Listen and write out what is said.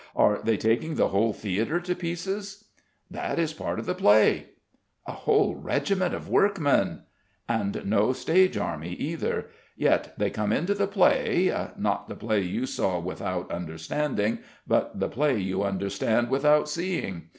"Are they taking the whole theatre to pieces?" "That is part of the play." "A whole regiment of workmen!" "And no stage army, neither. Yet they come into the play not the play you saw without understanding, but the play you understood without seeing.